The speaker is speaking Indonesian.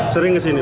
sering ke sini